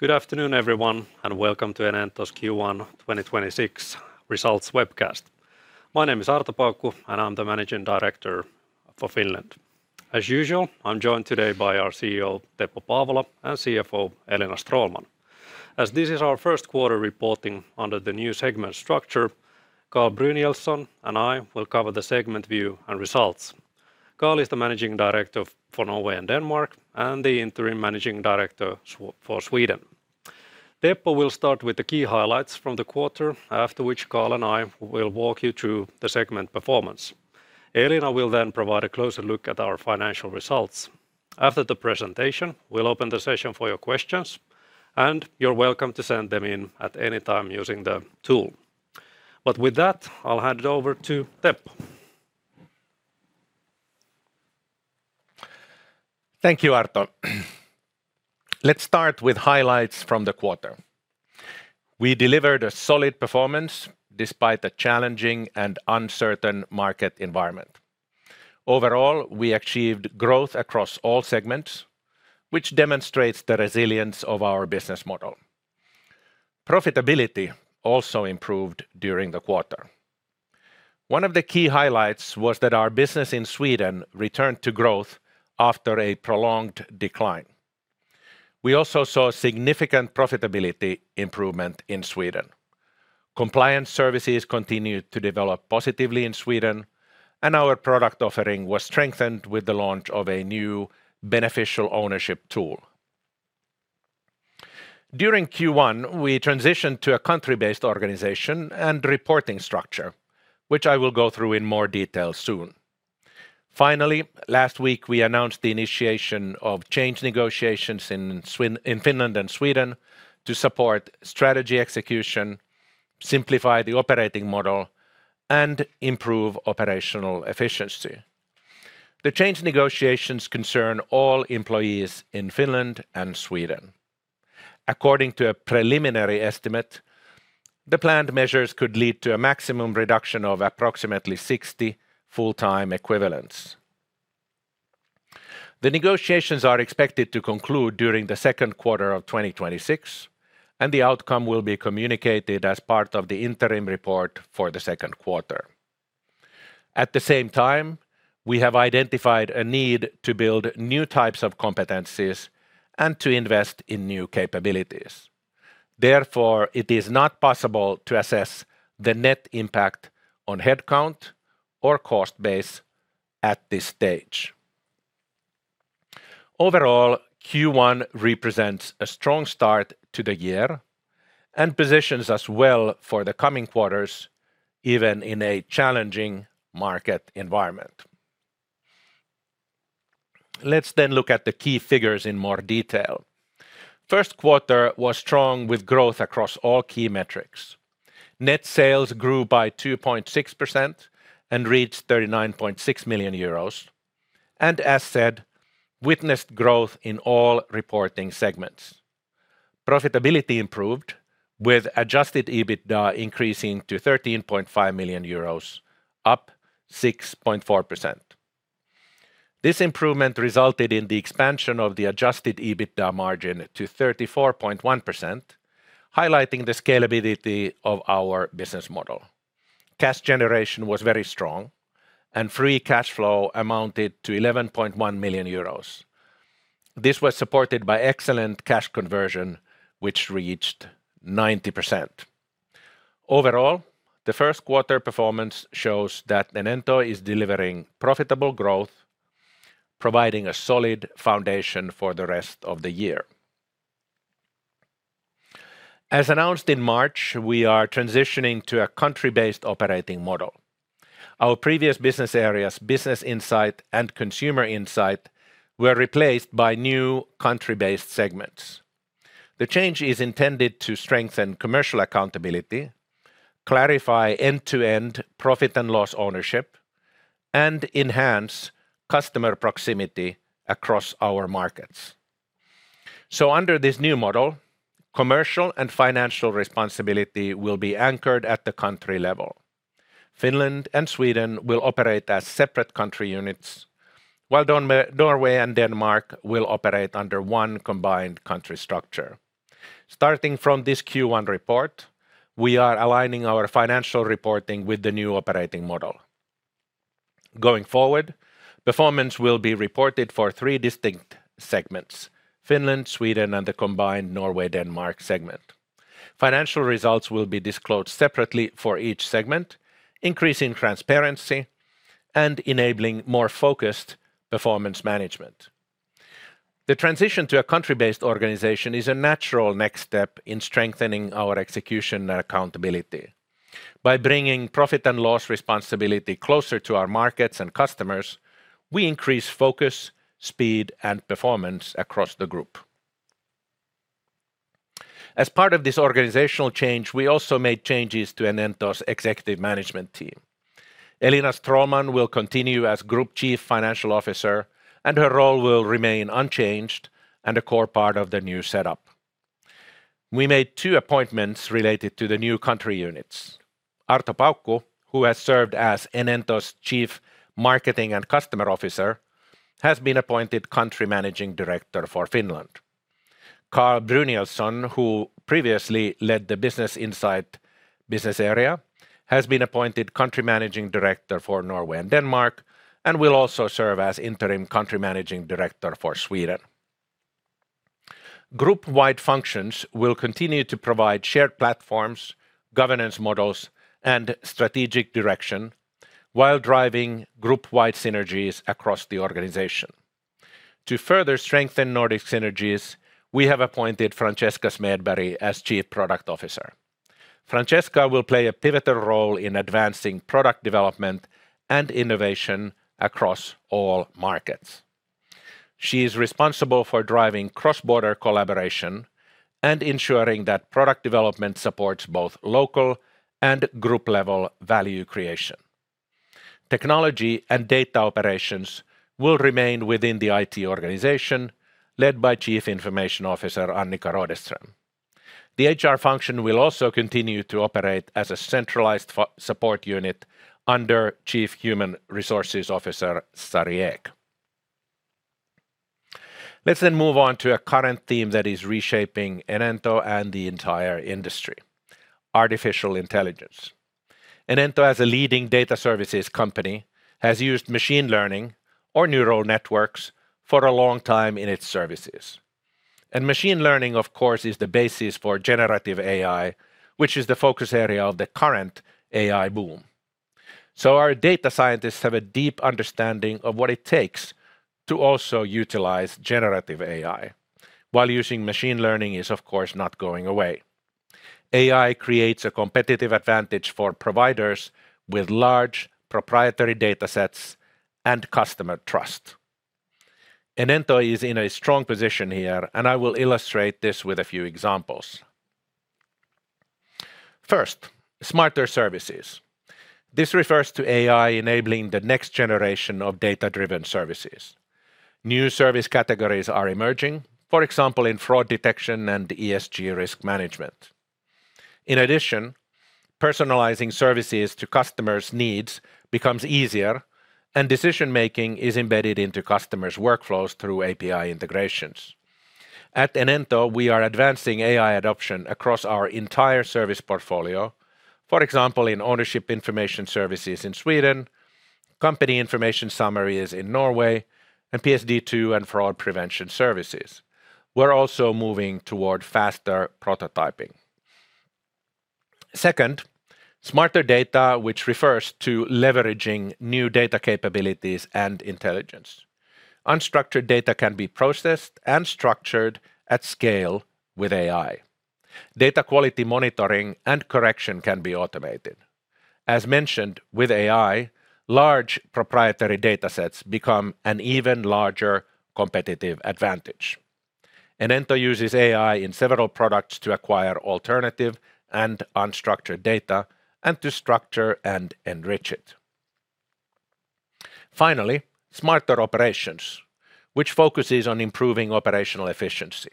Good afternoon, everyone, welcome to Enento's Q1 2026 Results Webcast. My name is Arto Paukku, I'm the Managing Director for Finland. As usual, I'm joined today by our CEO, Teppo Paavola, CFO, Elina Stråhlman. As this is our Q1 reporting under the new segment structure, Carl Brynielsson and I will cover the segment view and results. Carl is the Managing Director for Norway and Denmark the Interim Managing Director for Sweden. Teppo will start with the key highlights from the quarter, after which Carl I will walk you through the segment performance. Elina will provide a closer look at our financial results. After the presentation, we'll open the session for your questions, you're welcome to send them in at any time using the tool. With that, I'll hand it over to Teppo. Thank you, Arto. Let's start with highlights from the quarter. We delivered a solid performance despite the challenging and uncertain market environment. Overall, we achieved growth across all segments, which demonstrates the resilience of our business model. Profitability also improved during the quarter. One of the key highlights was that our business in Sweden returned to growth after a prolonged decline. We also saw significant profitability improvement in Sweden. Compliance services continued to develop positively in Sweden, and our product offering was strengthened with the launch of a new beneficial ownership tool. During Q1, we transitioned to a country-based organization and reporting structure, which I will go through in more detail soon. Last week, we announced the initiation of change negotiations in Finland and Sweden to support strategy execution, simplify the operating model, and improve operational efficiency. The change negotiations concern all employees in Finland and Sweden. According to a preliminary estimate, the planned measures could lead to a maximum reduction of approximately 60 full-time equivalents. The negotiations are expected to conclude during the Q2 of 2026, and the outcome will be communicated as part of the interim report for the Q2. At the same time, we have identified a need to build new types of competencies and to invest in new capabilities. It is not possible to assess the net impact on headcount or cost base at this stage. Overall, Q1 represents a strong start to the year and positions us well for the coming quarters, even in a challenging market environment. Let's then look at the key figures in more detail. Q1 was strong, with growth across all key metrics. Net sales grew by 2.6% and reached 39.6 million euros, and as said, witnessed growth in all reporting segments. Profitability improved, with Adjusted EBITDA increasing to 13.5 million euros, up 6.4%. This improvement resulted in the expansion of the Adjusted EBITDA margin to 34.1%, highlighting the scalability of our business model. Cash generation was very strong and free cash flow amounted to 11.1 million euros. This was supported by excellent cash conversion, which reached 90%. Overall, the Q1 performance shows that Enento is delivering profitable growth, providing a solid foundation for the rest of the year. As announced in March, we are transitioning to a country-based operating model. Our previous business areas, Business Insight and Consumer Insight, were replaced by new country-based segments. The change is intended to strengthen commercial accountability, clarify end-to-end P&L ownership, and enhance customer proximity across our markets. Under this new model, commercial and financial responsibility will be anchored at the country level. Finland and Sweden will operate as separate country units, while Norway and Denmark will operate under 1 combined country structure. Starting from this Q1 report, we are aligning our financial reporting with the new operating model. Going forward, performance will be reported for 3 distinct segments: Finland, Sweden, and the combined Norway-Denmark segment. Financial results will be disclosed separately for each segment, increasing transparency and enabling more focused performance management. The transition to a country-based organization is a natural next step in strengthening our execution and accountability. By bringing P&L responsibility closer to our markets and customers, we increase focus, speed, and performance across the group. As part of this organizational change, we also made changes to Enento's executive management team. Elina Stråhlman will continue as Group Chief Financial Officer, and her role will remain unchanged and a core part of the new setup. We made two appointments related to the new country units. Arto Paukku, who has served as Enento's Chief Marketing and Customer Officer, has been appointed Country Managing Director for Finland. Carl Brynielsson, who previously led the Business Insight business area, has been appointed Country Managing Director for Norway and Denmark, and will also serve as interim Country Managing Director for Sweden. Group-wide functions will continue to provide shared platforms, governance models, and strategic direction while driving group-wide synergies across the organization. To further strengthen Nordic synergies, we have appointed Francesca Smedberg as Chief Product Officer. Francesca will play a pivotal role in advancing product development and innovation across all markets. She is responsible for driving cross-border collaboration and ensuring that product development supports both local and group level value creation. Technology and data operations will remain within the IT organization led by Chief Information Officer Annika Rådeström. The HR function will also continue to operate as a centralized support unit under Chief Human Resources Officer Sari Ek. Let's then move on to a current theme that is reshaping Enento and the entire industry, artificial intelligence. Enento as a leading data services company, has used machine learning or neural networks for a long time in its services. Machine learning, of course, is the basis for Generative AI, which is the focus area of the current AI boom. Our data scientists have a deep understanding of what it takes to also utilize Generative AI, while using machine learning is of course not going away. AI creates a competitive advantage for providers with large proprietary data sets and customer trust. Enento is in a strong position here, and I will illustrate this with a few examples. First, smarter services. This refers to AI enabling the next generation of data-driven services. New service categories are emerging, for example, in fraud detection and ESG risk management. In addition, personalizing services to customers' needs becomes easier and decision-making is embedded into customers' workflows through API integrations. At Enento, we are advancing AI adoption across our entire service portfolio, for example, in ownership information services in Sweden, company information summaries in Norway, and PSD2 and Fraud prevention services. We're also moving toward faster prototyping. Second, smarter data which refers to leveraging new data capabilities and intelligence. Unstructured data can be processed and structured at scale with AI. Data quality monitoring and correction can be automated. As mentioned with AI, large proprietary datasets become an even larger competitive advantage. Enento uses AI in several products to acquire alternative and unstructured data and to structure and enrich it. Smarter operations, which focuses on improving operational efficiency.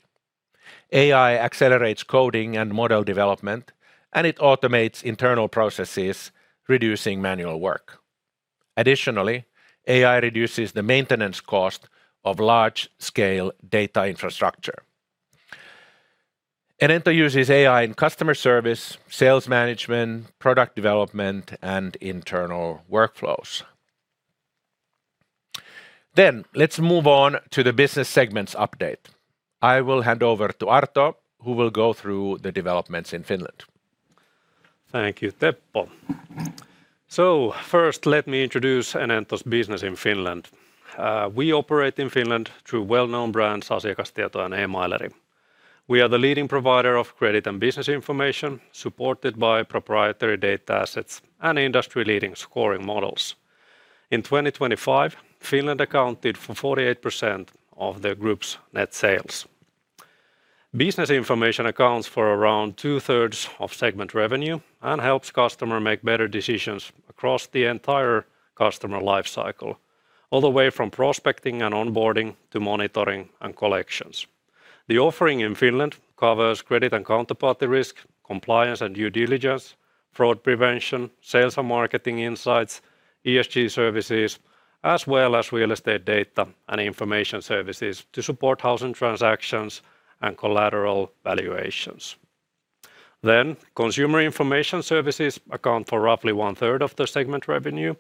AI accelerates coding and model development, and it automates internal processes, reducing manual work. Additionally, AI reduces the maintenance cost of large scale data infrastructure. Enento uses AI in customer service, sales management, product development, and internal workflows. Let's move on to the business segments update. I will hand over to Arto, who will go through the developments in Finland. Thank you, Teppo. First let me introduce Enento's business in Finland. We operate in Finland through well-known brands, Asiakastieto and Emaileri. We are the leading provider of credit and business information supported by proprietary data assets and industry-leading scoring models. In 2025, Finland accounted for 48% of the group's net sales. Business information accounts for around two-thirds of segment revenue and helps customer make better decisions across the entire customer life cycle, all the way from prospecting and onboarding to monitoring and collections. The offering in Finland covers credit and counterparty risk, compliance and due diligence, fraud prevention, sales and marketing insights, ESG services, as well as real estate data and information services to support housing transactions and collateral valuations. Consumer information services account for roughly one-third of the segment revenue,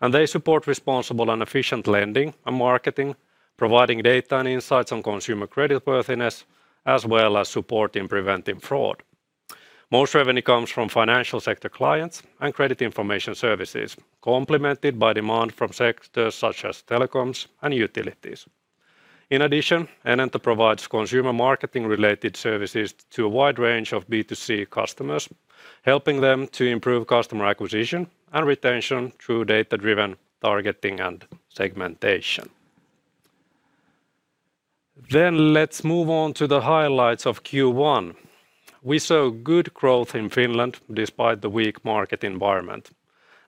and they support responsible and efficient lending and marketing, providing data and insights on consumer credit worthiness, as well as support in preventing fraud. Most revenue comes from financial sector clients and credit information services complemented by demand from sectors such as telecoms and utilities. In addition, Enento provides consumer marketing related services to a wide range of B2C customers, helping them to improve customer acquisition and retention through data-driven targeting and segmentation. Let's move on to the highlights of Q1. We saw good growth in Finland despite the weak market environment.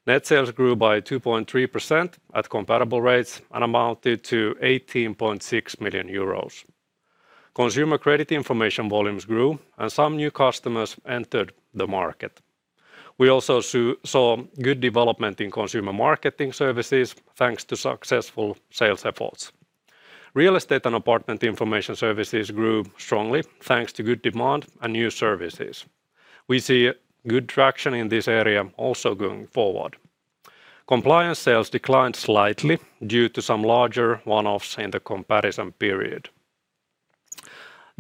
Net sales grew by 2.3% at compatible rates and amounted to 18.6 million euros. Consumer credit information volumes grew, and some new customers entered the market. We also saw good development in consumer marketing services thanks to successful sales efforts. Real estate and apartment information services grew strongly thanks to good demand and new services. We see good traction in this area also going forward. Compliance sales declined slightly due to some larger one-offs in the comparison period.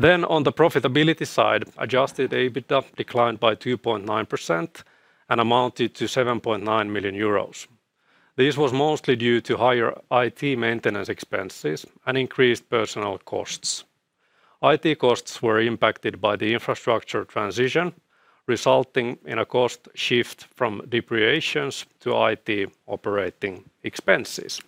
On the profitability side, Adjusted EBITDA declined by 2.9% and amounted to 7.9 million euros. This was mostly due to higher IT maintenance expenses and increased personnel costs. IT costs were impacted by the infrastructure transition, resulting in a cost shift from depreciations to IT operating expenses.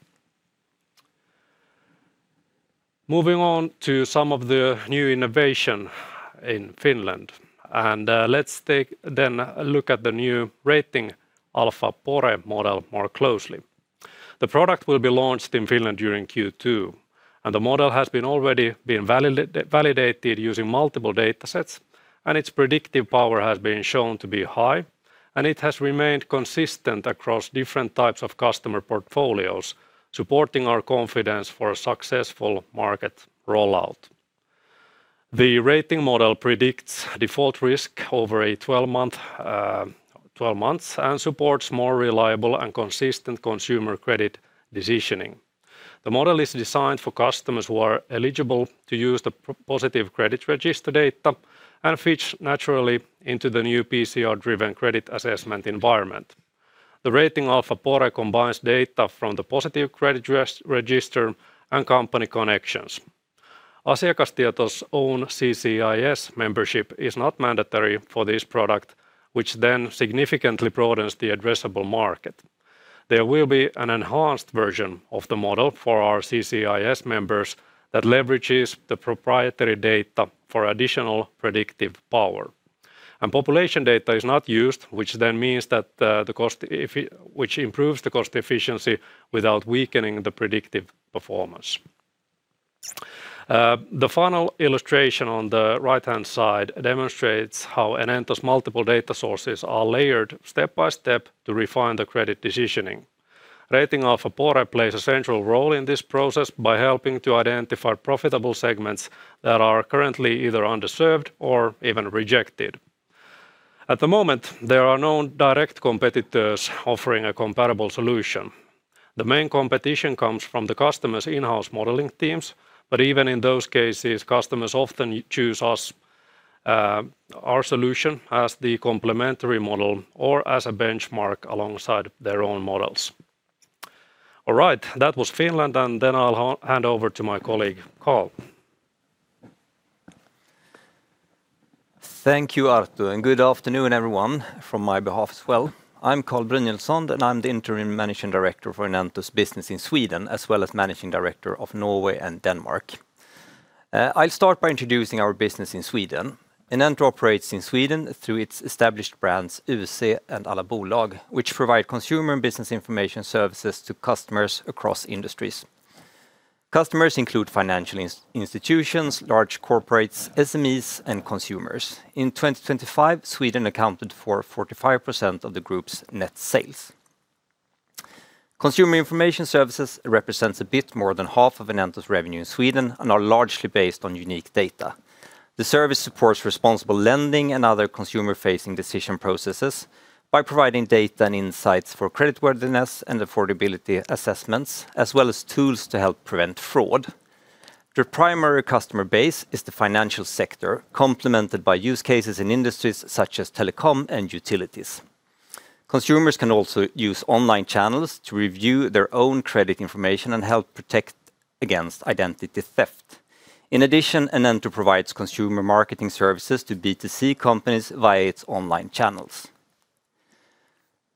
Moving on to some of the new innovation in Finland, and let's take then look at the new Rating Alfa Pore model more closely. The product will be launched in Finland during Q2, and the model has already been validated using multiple datasets, and its predictive power has been shown to be high, and it has remained consistent across different types of customer portfolios, supporting our confidence for a successful market rollout. The rating model predicts default risk over a 12-month, 12 months and supports more reliable and consistent consumer credit decisioning. The model is designed for customers who are eligible to use the Positive Credit Register data and fits naturally into the new PCR-driven credit assessment environment. The Rating Alfa Pore combines data from the Positive Credit Register and company connections. Asiakastieto's own CCIS membership is not mandatory for this product, which then significantly broadens the addressable market. There will be an enhanced version of the model for our CCIS members that leverages the proprietary data for additional predictive power. Population data is not used, which then means that, which improves the cost efficiency without weakening the predictive performance. The final illustration on the right-hand side demonstrates how Enento's multiple data sources are layered step by step to refine the credit decisioning. Rating Alfa Pore plays a central role in this process by helping to identify profitable segments that are currently either underserved or even rejected. At the moment, there are no direct competitors offering a comparable solution. The main competition comes from the customer's in-house modeling teams, but even in those cases, customers often choose us, our solution as the complementary model or as a benchmark alongside their own models. All right, that was Finland, and then I'll hand over to my colleague, Carl. Thank you, Arto, good afternoon, everyone, from my behalf as well. I'm Carl Brynielsson, and I'm the interim Managing Director for Enento's business in Sweden, as well as Managing Director of Norway and Denmark. I'll start by introducing our business in Sweden. Enento operates in Sweden through its established brands, UC and allabolag, which provide consumer and business information services to customers across industries. Customers include financial institutions, large corporates, SMEs, and consumers. In 2025, Sweden accounted for 45% of the group's net sales. Consumer information services represents a bit more than half of Enento's revenue in Sweden and are largely based on unique data. The service supports responsible lending and other consumer-facing decision processes by providing data and insights for creditworthiness and affordability assessments, as well as tools to help prevent fraud. Their primary customer base is the financial sector, complemented by use cases in industries such as telecom and utilities. Consumers can also use online channels to review their own credit information and help protect against identity theft. In addition, Enento provides consumer marketing services to B2C companies via its online channels.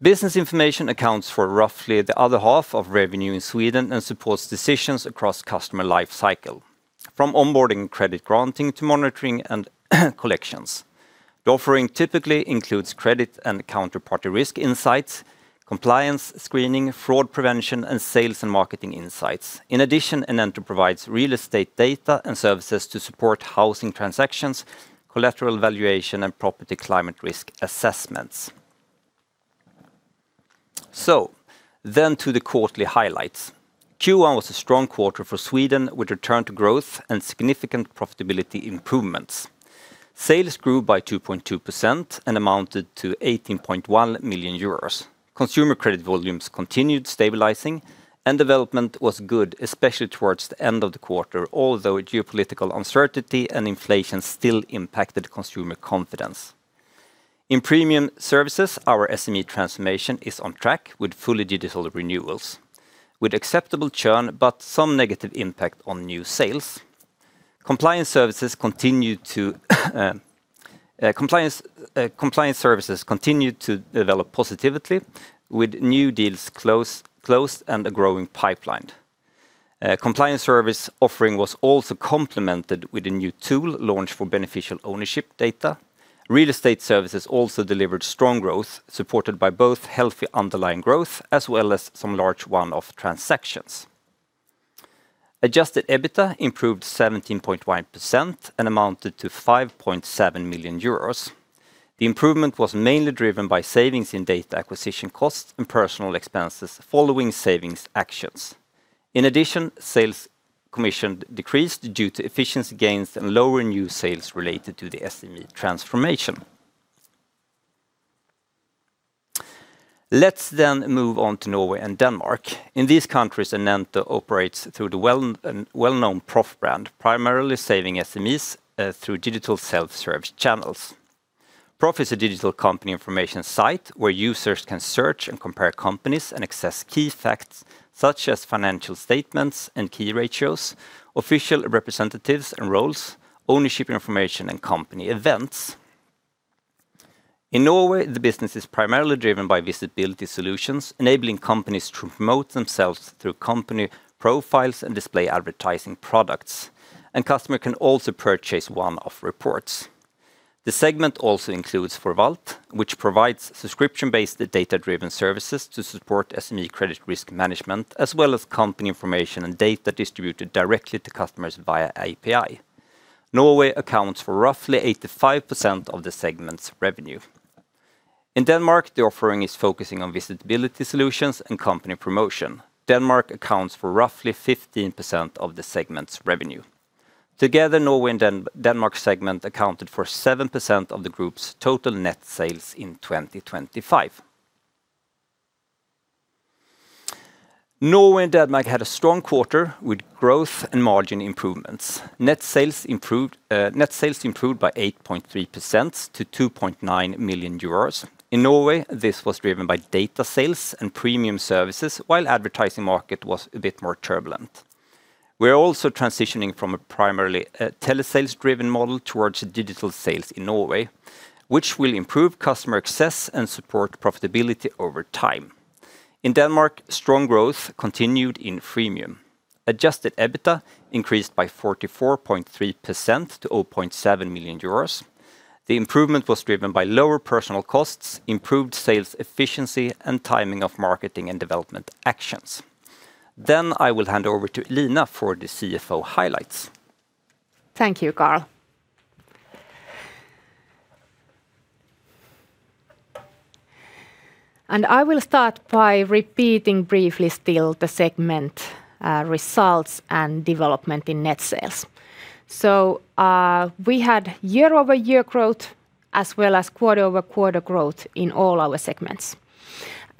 Business information accounts for roughly the other half of revenue in Sweden and supports decisions across customer life cycle, from onboarding credit granting to monitoring and collections. The offering typically includes credit and counterparty risk insights, compliance screening, fraud prevention, and sales and marketing insights. In addition, Enento provides real estate data and services to support housing transactions, collateral valuation, and property climate risk assessments. To the quarterly highlights. Q1 was a strong quarter for Sweden, with return to growth and significant profitability improvements. Sales grew by 2.2% and amounted to 18.1 million euros. Consumer credit volumes continued stabilizing, and development was good, especially towards the end of the quarter, although geopolitical uncertainty and inflation still impacted consumer confidence. In premium services, our SME transformation is on track with fully digital renewals, with acceptable churn but some negative impact on new sales. Compliance services continue to develop positively with new deals closed and a growing pipeline. Compliance service offering was also complemented with a new tool launched for beneficial ownership data. Real estate services also delivered strong growth, supported by both healthy underlying growth as well as some large one-off transactions. Adjusted EBITDA improved 17.1% and amounted to 5.7 million euros. The improvement was mainly driven by savings in data acquisition costs and personal expenses following savings actions. Sales commission decreased due to efficiency gains and lower new sales related to the SME transformation. Moving on to Norway and Denmark. In these countries, Enento operates through the well, well-known Proff brand, primarily saving SMEs through digital self-service channels. Proff is a digital company information site where users can search and compare companies and access key facts such as financial statements and key ratios, official representatives and roles, ownership information, and company events. In Norway, the business is primarily driven by visibility solutions, enabling companies to promote themselves through company profiles and display advertising products, and customer can also purchase one-off reports. The segment also includes Forvalt, which provides subscription-based data-driven services to support SME credit risk management, as well as company information and data distributed directly to customers via API. Norway accounts for roughly 85% of the segment's revenue. In Denmark, the offering is focusing on visibility solutions and company promotion. Denmark accounts for roughly 15% of the segment's revenue. Together, Norway and Denmark segment accounted for 7% of the group's total net sales in 2025. Norway and Denmark had a strong quarter with growth and margin improvements. Net sales improved by 8.3% to 2.9 million euros. In Norway, this was driven by data sales and premium services while advertising market was a bit more turbulent. We're also transitioning from a primarily, telesales-driven model towards digital sales in Norway, which will improve customer access and support profitability over time. In Denmark, strong growth continued in freemium. Adjusted EBITDA increased by 44.3% to 0.7 million euros. The improvement was driven by lower personal costs, improved sales efficiency, and timing of marketing and development actions. I will hand over to Elina Stråhlman for the CFO highlights. Thank you, Carl. I will start by repeating briefly still the segment results and development in net sales. We had year-over-year growth as well as quarter-over-quarter growth in all our segments.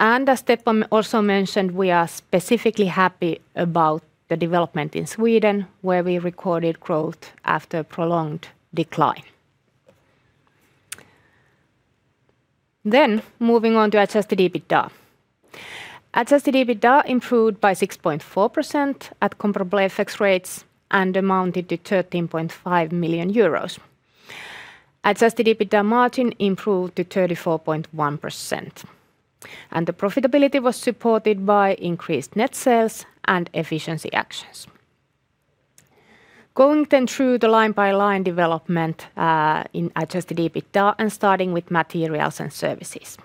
As Teppo also mentioned, we are specifically happy about the development in Sweden, where we recorded growth after prolonged decline. Moving on to Adjusted EBITDA. Adjusted EBITDA improved by 6.4% at comparable FX rates and amounted to 13.5 million euros. Adjusted EBITDA margin improved to 34.1%, and the profitability was supported by increased net sales and efficiency actions. Going then through the line-by-line development in Adjusted EBITDA and starting with materials and services.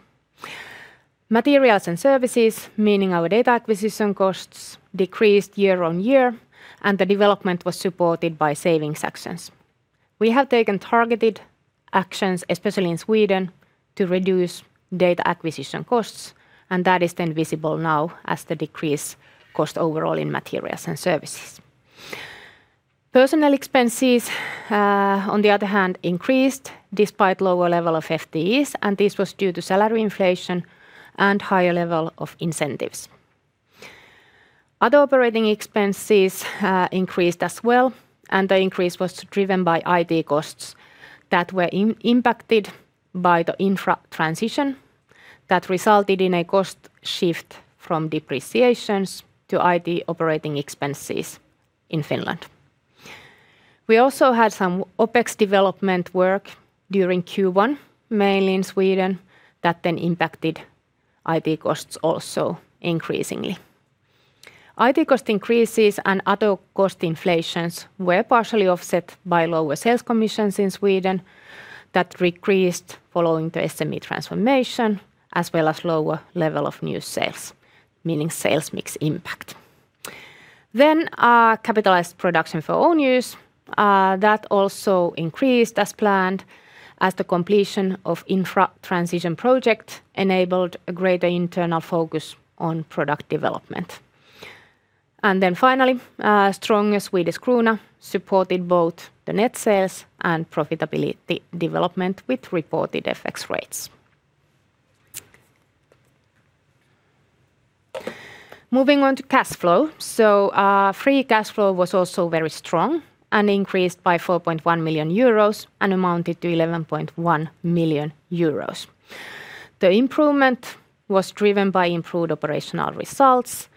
Materials and services, meaning our data acquisition costs, decreased year-on-year, and the development was supported by savings actions. We have taken targeted actions, especially in Sweden, to reduce data acquisition costs, and that is then visible now as the decrease cost overall in materials and services. Personnel expenses, on the other hand, increased despite lower level of FTEs, and this was due to salary inflation and higher level of incentives. Other operating expenses, increased as well, and the increase was driven by IT costs that were impacted by the infra transition that resulted in a cost shift from depreciations to IT operating expenses in Finland. We also had some OpEx development work during Q1, mainly in Sweden, that then impacted IT costs also increasingly. IT cost increases and other cost inflations were partially offset by lower sales commissions in Sweden that decreased following the SME transformation as well as lower level of new sales, meaning sales mix impact. Capitalized production for own use that also increased as planned as the completion of infra transition project enabled a greater internal focus on product development. Finally, strong Swedish krona supported both the net sales and profitability development with reported FX rates. Moving on to cash flow. Free cash flow was also very strong and increased by 4.1 million euros and amounted to 11.1 million euros. The improvement was driven by improved operational results,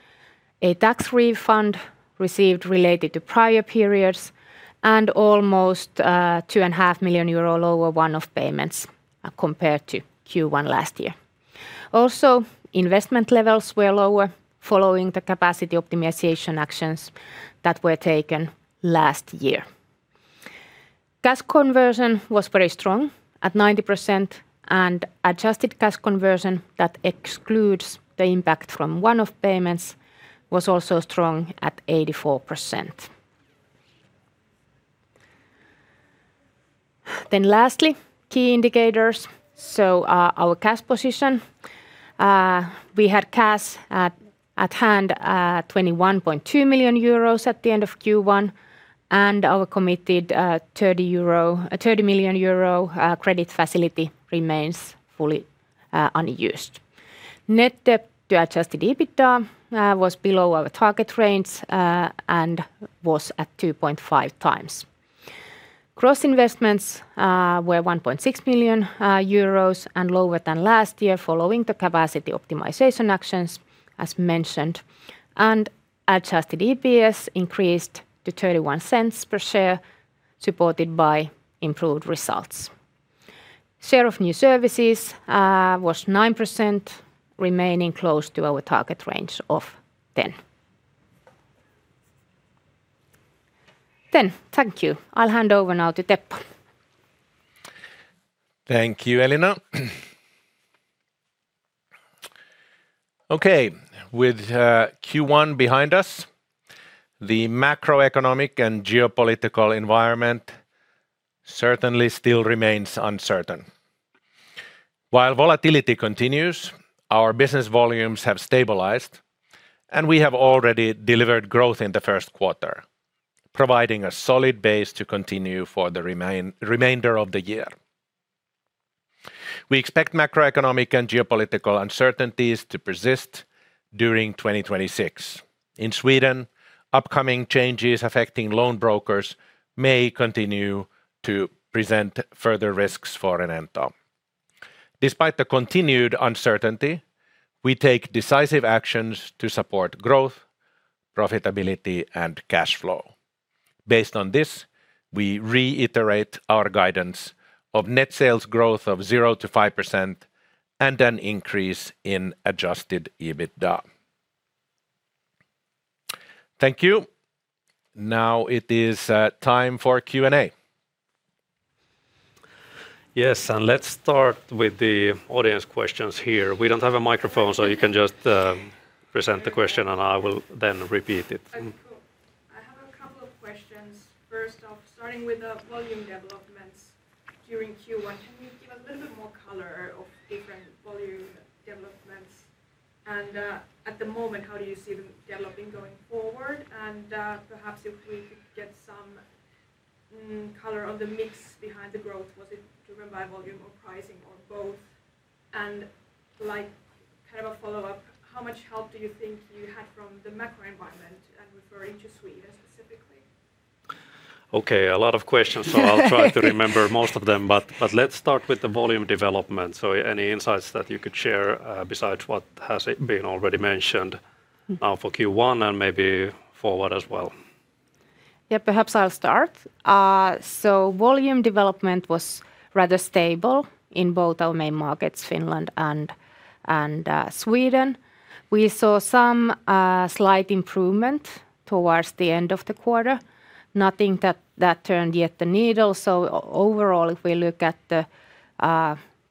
a tax refund received related to prior periods, and almost 2.5 million euro lower one-off payments compared to Q1 last year. Also, investment levels were lower following the capacity optimization actions that were taken last year. Cash conversion was very strong at 90%, and adjusted cash conversion that excludes the impact from one-off payments was also strong at 84%. Lastly, key indicators. Our cash position, we had cash at hand, 21.2 million euros at the end of Q1, and our committed 30 million euro credit facility remains fully unused. Net debt to Adjusted EBITDA was below our target range and was at 2.5x. Gross investments were 1.6 million euros and lower than last year following the capacity optimization actions as mentioned. Adjusted EPS increased to 0.31 per share supported by improved results. Share of new services was 9% remaining close to our target range of 10. Thank you. I'll hand over now to Teppo. Thank you, Elina. Okay. With Q1 behind us, the macroeconomic and geopolitical environment certainly still remains uncertain. While volatility continues, our business volumes have stabilized, and we have already delivered growth in the Q1, providing a solid base to continue for the remainder of the year. We expect macroeconomic and geopolitical uncertainties to persist during 2026. In Sweden, upcoming changes affecting loan brokers may continue to present further risks for Enento. Despite the continued uncertainty, we take decisive actions to support growth, profitability, and cash flow. Based on this, we reiterate our guidance of net sales growth of 0%-5% and an increase in Adjusted EBITDA. Thank you. It is time for Q&A. Yes, let's start with the audience questions here. We don't have a microphone, so you can just present the question, and I will then repeat it. Okay, cool. I have a couple of questions. First off, starting with the volume developments during Q1, can you give a little bit more color of different volume developments? At the moment, how do you see them developing going forward? Perhaps if we could get some color on the mix behind the growth. Was it driven by volume or pricing or both? Like kind of a follow-up, how much help do you think you had from the macro environment and referring to Sweden specifically? Okay. I'll try to remember most of them. Let's start with the volume development. Any insights that you could share, besides what has been already mentioned, for Q1 and maybe forward as well? Perhaps I'll start. Volume development was rather stable in both our main markets, Finland and Sweden. We saw some slight improvement towards the end of the quarter. Nothing that turned yet the needle. Overall, if we look at the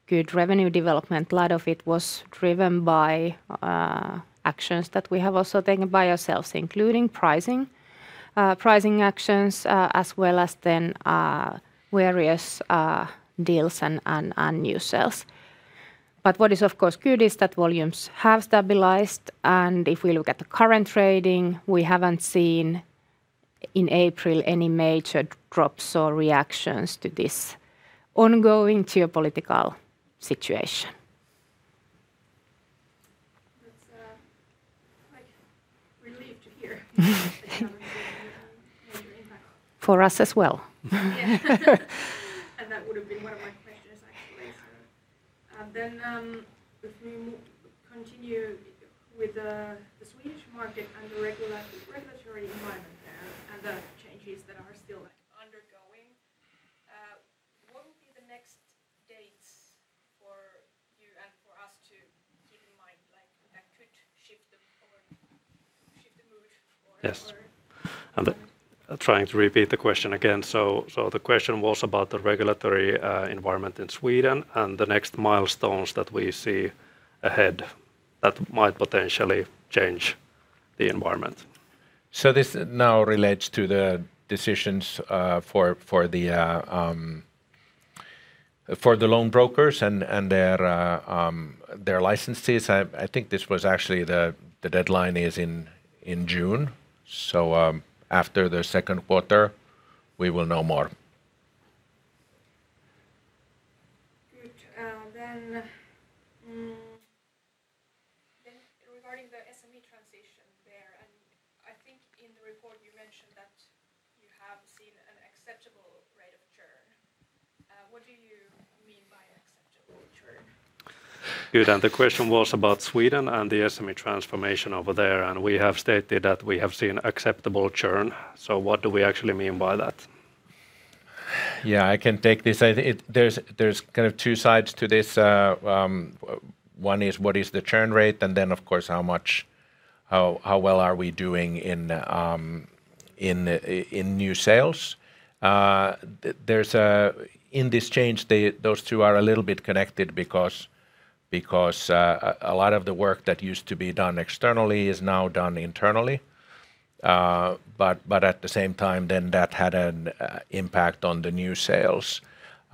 good revenue development, a lot of it was driven by actions that we have also taken by ourselves, including pricing actions, as well as then various deals and new sales. What is of course good is that volumes have stabilized. If we look at the current trading, we haven't seen in April any major drops or reactions to this ongoing geopolitical situation. That's, quite relief to hear that there wasn't any, major impact. For us as well. Yeah. That would have been one of my questions actually. If we continue with the Swedish market and the regulatory environment there and the changes that are still undergoing, what would be the next dates for you and for us to keep in mind, like that could shift the mood. Yes. Trying to repeat the question again. The question was about the regulatory environment in Sweden and the next milestones that we see ahead that might potentially change the environment. This now relates to the decisions, for the loan brokers and their licensees. I think this was actually the deadline is in June. After the Q2, we will know more. Good. Regarding the SME transition there, I think in the report you mentioned that you have seen an acceptable rate of churn. What do you mean by acceptable churn? Good. The question was about Sweden and the SME transformation over there, and we have stated that we have seen acceptable churn. What do we actually mean by that? Yeah, I can take this. There's kind of two sides to this. One is what is the churn rate, and then, of course, how well are we doing in new sales. There's in this change those two are a little bit connected because a lot of the work that used to be done externally is now done internally. At the same time then that had an impact on the new sales.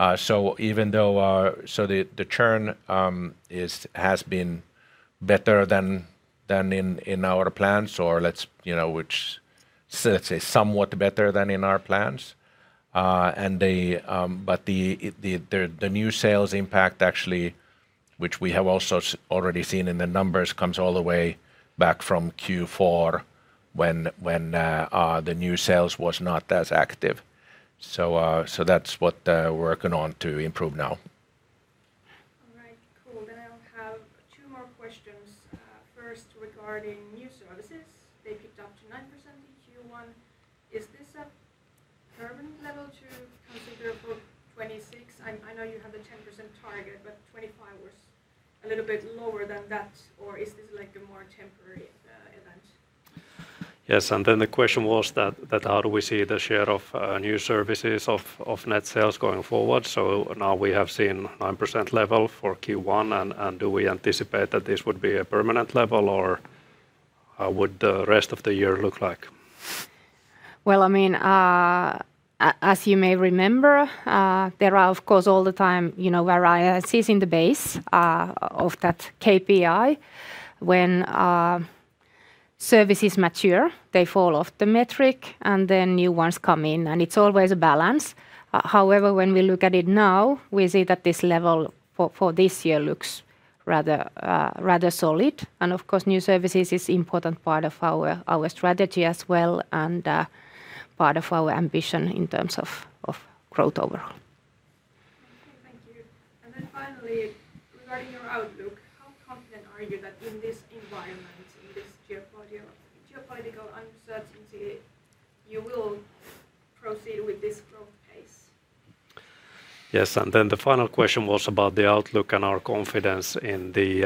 Even though the churn has been better than in our plans or let's, you know, which, let's say somewhat better than in our plans. The new sales impact actually which we have also already seen in the numbers comes all the way back from Q4 when, the new sales was not as active. That's what we're working on to improve now. All right. Cool. I'll have two more questions. First regarding new services. They picked up to 9% in Q1. Is this a permanent level to consider for 2026? I know you have a 10% target, but 25 was a little bit lower than that, or is this like a more temporary event? Yes, the question was that how do we see the share of new services of net sales going forward? Now we have seen 9% level for Q1 and do we anticipate that this would be a permanent level or how would the rest of the year look like? Well, I mean, as you may remember, there are of course all the time, you know, variances in the base of that KPI. When services mature, they fall off the metric, and then new ones come in, and it's always a balance. However, when we look at it now, we see that this level for this year looks rather solid. Of course, new services is important part of our strategy as well and part of our ambition in terms of growth overall. Okay. Thank you. Finally, regarding your outlook, how confident are you that in this environment, in this geopolitical uncertainty, you will proceed with this growth pace? Yes, the final question was about the outlook and our confidence in the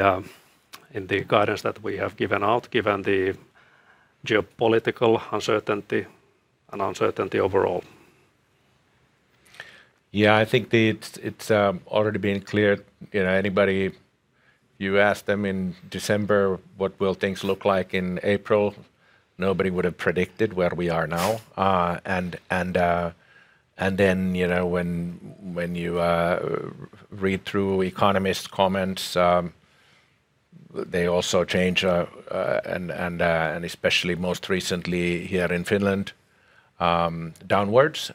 guidance that we have given out given the geopolitical uncertainty and uncertainty overall. Yeah. I think it's already been clear. You know, anybody you ask them in December what will things look like in April, nobody would have predicted where we are now. You know, when you read through economists' comments, they also change, and especially most recently here in Finland, downwards.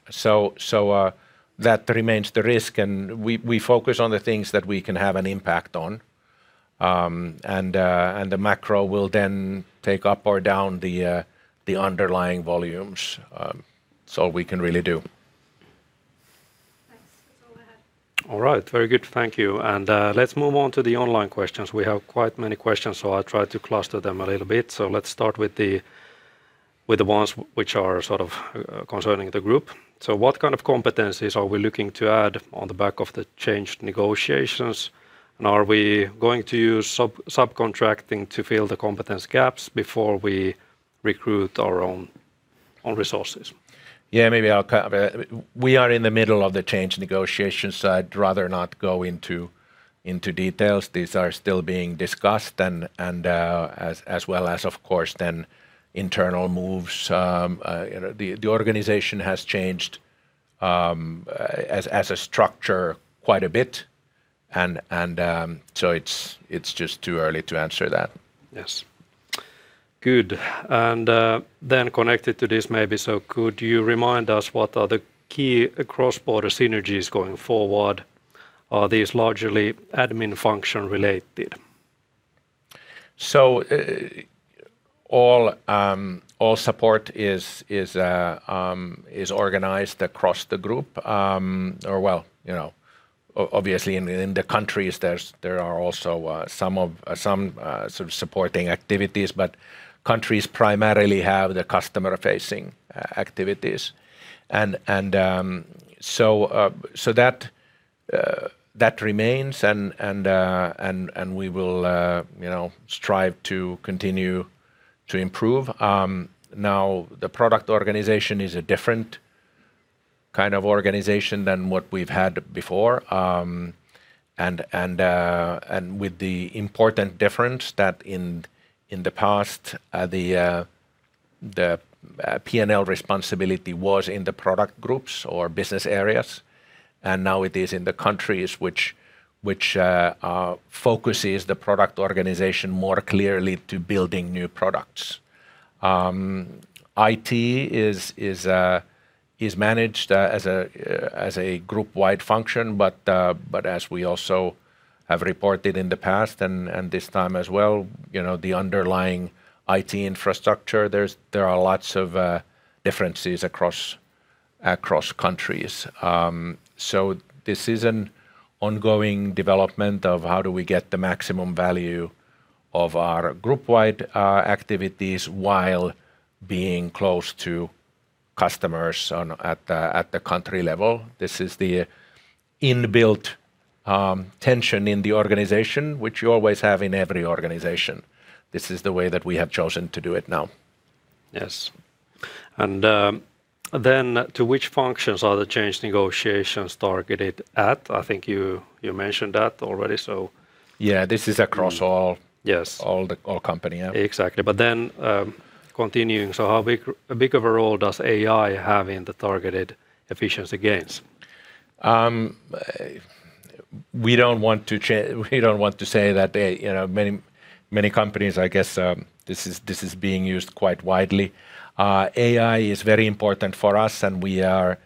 That remains the risk, and we focus on the things that we can have an impact on. The macro will then take up or down the underlying volumes. It's all we can really do. Thanks. That's all I have. All right. Very good. Thank you. Let's move on to the online questions. We have quite many questions, so I'll try to cluster them a little bit. Let's start with the ones which are sort of concerning the group. What kind of competencies are we looking to add on the back of the changed negotiations? Are we going to use sub-subcontracting to fill the competence gaps before we recruit our own resources? Yeah. We are in the middle of the change negotiation. I'd rather not go into details. These are still being discussed and as well as, of course, internal moves. You know, the organization has changed as a structure quite a bit and it's just too early to answer that. Yes. Good. Connected to this maybe, could you remind us what are the key cross-border synergies going forward? Are these largely admin function related? All support is organized across the group. Or well, you know, obviously in the countries there are also some of some sort of supporting activities, but countries primarily have the customer-facing activities. That remains and we will, you know, strive to continue to improve. Now the product organization is a different kind of organization than what we've had before, and with the important difference that in the past, the P&L responsibility was in the product groups or business areas, and now it is in the countries which focuses the product organization more clearly to building new products. IT is managed as a group wide function, but as we also have reported in the past and this time as well, you know, the underlying IT infrastructure, there are lots of differences across countries. This is an ongoing development of how do we get the maximum value of our group wide activities while being close to customers at the country level. This is the inbuilt tension in the organization which you always have in every organization. This is the way that we have chosen to do it now. Yes. Then to which functions are the change negotiations targeted at? I think you mentioned that already. Yeah, this is across. Yes All company, yeah. Exactly. Continuing, how big of a role does AI have in the targeted efficiency gains? We don't want to say that, you know, many companies I guess, this is being used quite widely. AI is very important for us, and we are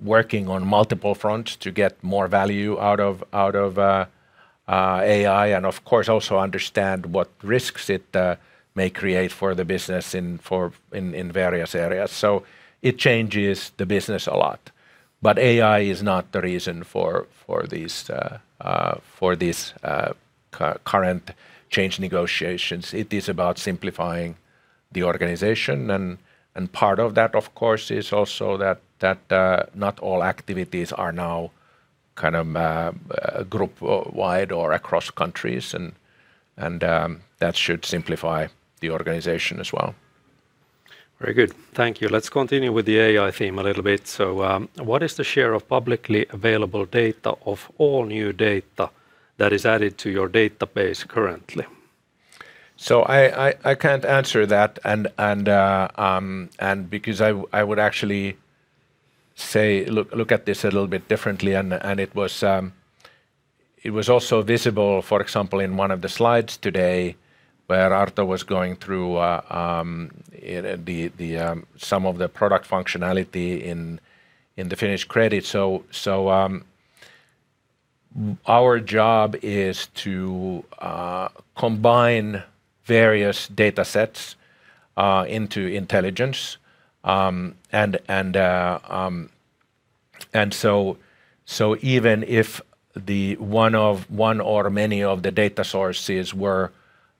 working on multiple fronts to get more value out of AI, and of course, also understand what risks it may create for the business in various areas. It changes the business a lot. AI is not the reason for these current change negotiations. It is about simplifying the organization and part of that, of course, is also that not all activities are now kind of group wide or across countries, and that should simplify the organization as well. Very good. Thank you. Let's continue with the AI theme a little bit. What is the share of publicly available data of all new data that is added to your database currently? I can't answer that and because I would actually say look at this a little bit differently and it was also visible, for example, in one of the slides today where Arto was going through it the some of the product functionality in the Finnish credit. Our job is to combine various data sets into intelligence and so even if the one of one or many of the data sources were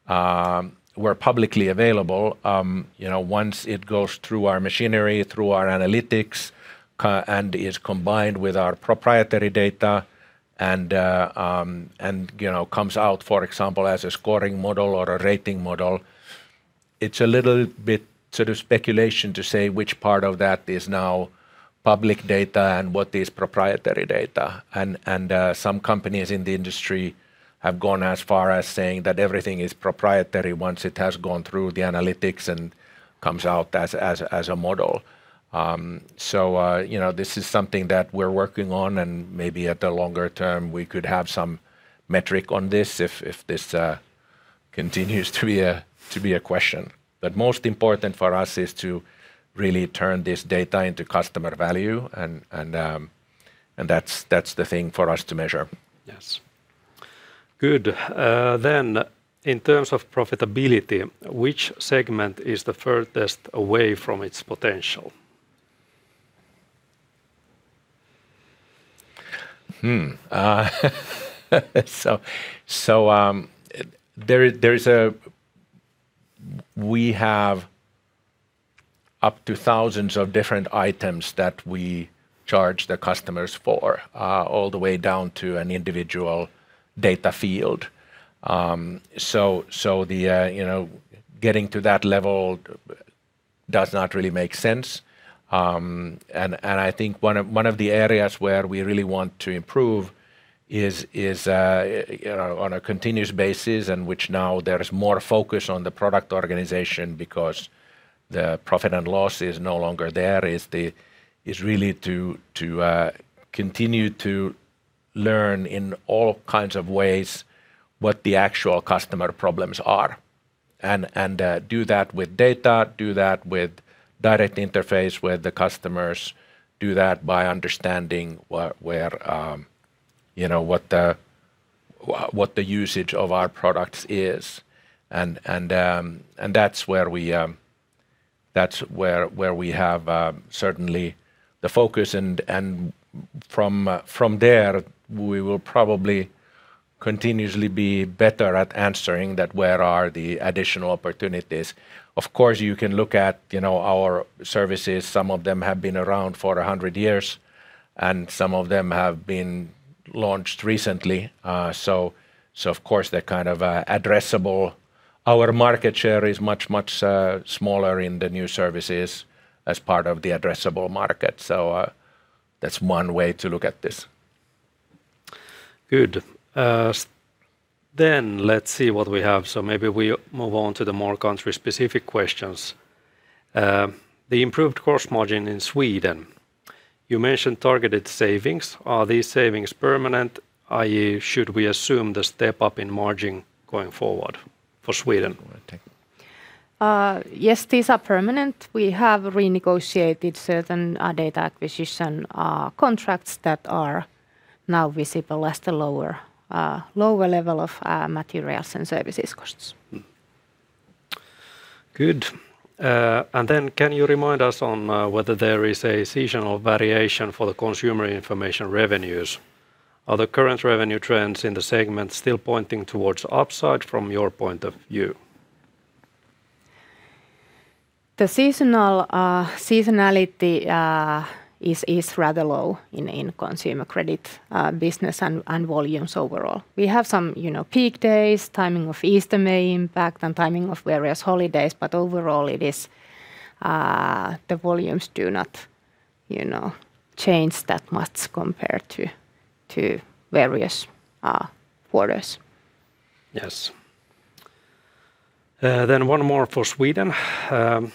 publicly available, you know, once it goes through our machinery, through our analytics, and is combined with our proprietary data, and, you know, comes out, for example, as a scoring model or a rating model, it's a little bit sort of speculation to say which part of that is now public data and what is proprietary data. Some companies in the industry have gone as far as saying that everything is proprietary once it has gone through the analytics and comes out as a model. You know, this is something that we're working on, and maybe at the longer term we could have some metric on this if this continues to be a question. Most important for us is to really turn this data into customer value, and that's the thing for us to measure. Good. In terms of profitability, which segment is the furthest away from its potential? We have up to thousands of different items that we charge the customers for, all the way down to an individual data field. You know, getting to that level does not really make sense. I think one of the areas where we really want to improve is, you know, on a continuous basis, and which now there is more focus on the product organization because the profit and loss is no longer there, is really to continue to learn in all kinds of ways what the actual customer problems are. Do that with data, do that with direct interface with the customers, do that by understanding where, you know, what the usage of our products is. That's where we have certainly the focus and from there, we will probably continuously be better at answering that where are the additional opportunities. Of course, you can look at, you know, our services. Some of them have been around for 100 years, and some of them have been launched recently. Of course, they're kind of addressable. Our market share is much smaller in the new services as part of the addressable market. That's one way to look at this. Good. Let's see what we have. Maybe we move on to the more country-specific questions. The improved cost margin in Sweden, you mentioned targeted savings. Are these savings permanent, i.e., should we assume the step up in margin going forward for Sweden? Yes, these are permanent. We have renegotiated certain data acquisition contracts that are now visible as the lower level of materials and services costs. Good. Can you remind us on whether there is a seasonal variation for the consumer information revenues? Are the current revenue trends in the segment still pointing towards upside from your point of view? The seasonal seasonality is rather low in consumer credit business and volumes overall. We have some, you know, peak days, timing of Easter may impact and timing of various holidays, but overall it is the volumes do not, you know, change that much compared to various quarters. Yes. One more for Sweden.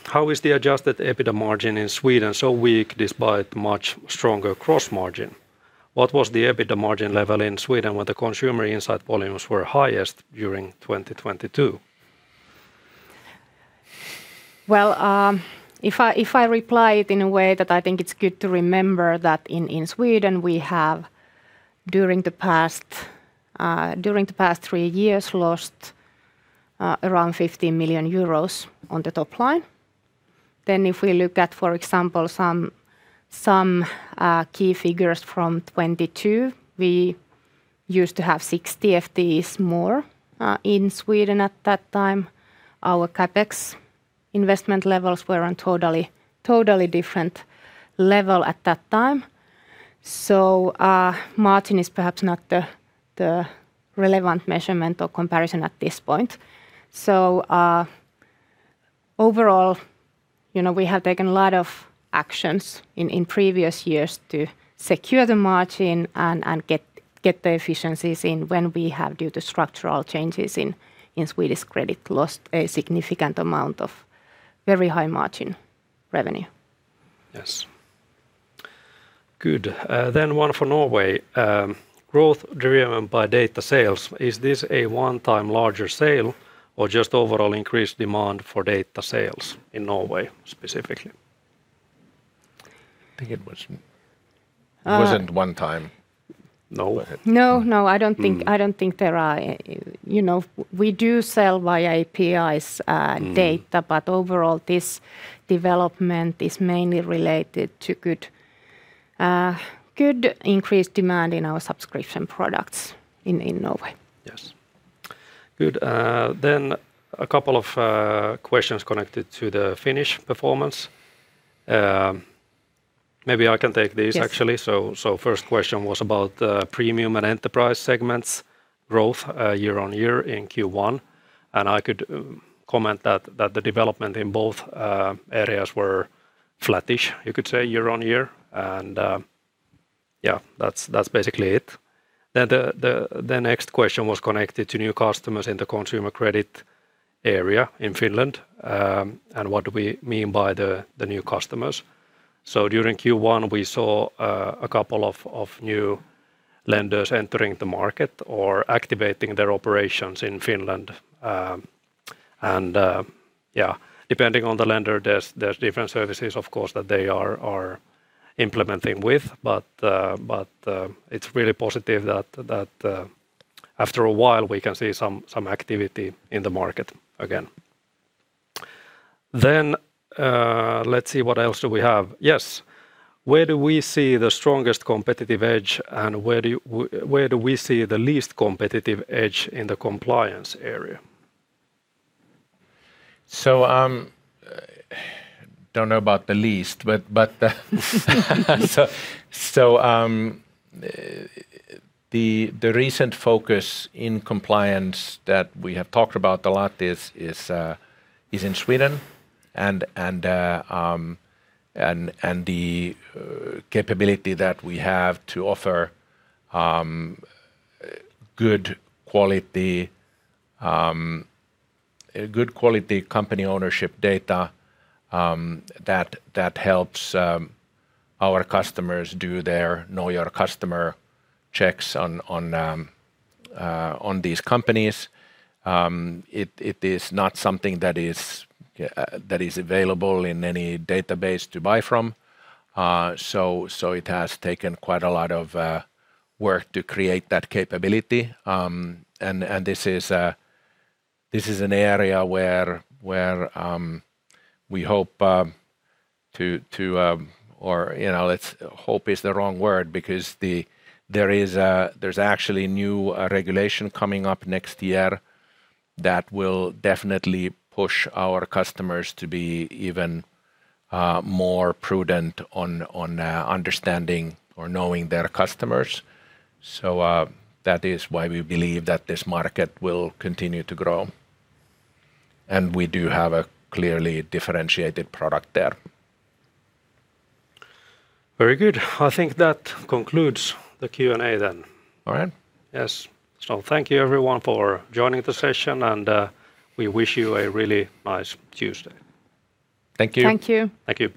How is the Adjusted EBITDA margin in Sweden so weak despite much stronger cross margin? What was the EBITDA margin level in Sweden when the Consumer Insight volumes were highest during 2022? If I reply it in a way that I think it's good to remember that in Sweden we have, during the past three years lost, around 50 million euros on the top line. If we look at, for example, some key figures from 2022, we used to have 60 FTEs more in Sweden at that time. Our CapEx investment levels were on a totally different level at that time. Margin is perhaps not the relevant measurement or comparison at this point. Overall, you know, we have taken a lot of actions in previous years to secure the margin and get the efficiencies in when we have, due to structural changes in Swedish credit, lost a significant amount of very high margin revenue. Yes. Good. One for Norway. Growth driven by data sales, is this a one-time larger sale or just overall increased demand for data sales in Norway specifically? I think it was- Uh- it wasn't one time. No? Go ahead. No, no. I don't think. I don't think there are, you know. We do sell via APIs data. Overall, this development is mainly related to good increased demand in our subscription products in Norway. Good. A couple of questions connected to the Finnish performance. Maybe I can take these actually. Yes. First question was about premium and enterprise segments growth year on year in Q1. I could comment that the development in both areas were flattish, you could say, year on year. Yeah, that's basically it. The next question was connected to new customers in the consumer credit area in Finland, and what do we mean by the new customers. During Q1 we saw a couple of new lenders entering the market or activating their operations in Finland. And, yeah, depending on the lender there's different services of course that they are implementing with, but it's really positive that after a while we can see some activity in the market again. Let's see what else do we have. Yes. Where do we see the strongest competitive edge and where do we see the least competitive edge in the compliance area? Don't know about the least, but the recent focus in Compliance that we have talked about a lot is in Sweden and the capability that we have to offer good quality company ownership data that helps our customers do their Know Your Customer checks on these companies. It is not something that is available in any database to buy from, so it has taken quite a lot of work to create that capability. And this is an area where we hope to. There is, there's actually new regulation coming up next year that will definitely push our customers to be even more prudent on understanding or Know Your Customer. That is why we believe that this market will continue to grow, and we do have a clearly differentiated product there. Very good. I think that concludes the Q&A then. All right. Yes. Thank you everyone for joining the session, and, we wish you a really nice Tuesday. Thank you. Thank you. Thank you.